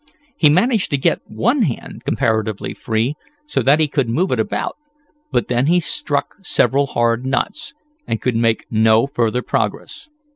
He managed to get one hand comparatively free, so that he could move it about, but then he struck several hard knots, and could make no further progress.